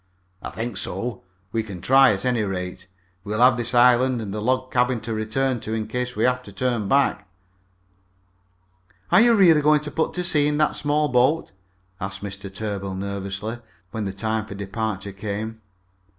"I think so. We can try, at any rate. We'll have this island and the log cabin to return to in case we have to turn back." "Are you really going to put to sea in that small boat?" asked Mr. Tarbill nervously, when the time for departure came.